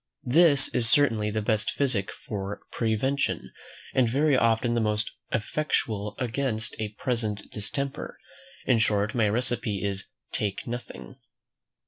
This is certainly the best physic for prevention, and very often the most effectual against a present distemper. In short, my recipe is "Take nothing."